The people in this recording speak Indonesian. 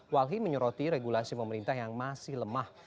walhi menyoroti regulasi pemerintah yang masih lemah